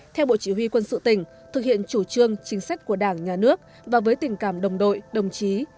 theo bộ chỉ huy quân sự tỉnh thực hiện chủ trương chính sách của đảng nhà nước và với tình cảm đồng đội đồng chí